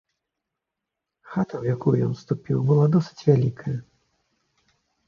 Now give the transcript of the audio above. Хата, у якую ён уступіў, была досыць вялікая.